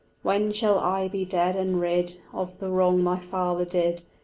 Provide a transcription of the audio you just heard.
When shall I be dead and rid Of the wrong my father did?